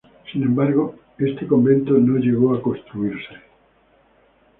Sin embargo, este convento no llegó a construirse.